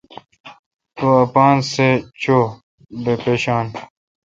تو اپان سہ چو۔ بہ بیشان۔